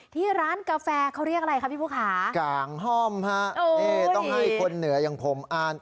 ที่ร้านกาแฟเขาเรียกอะไรคะพี่ผู้ขากลางห้อมฮะนี่ต้องให้คนเหนืออย่างผมอ่าน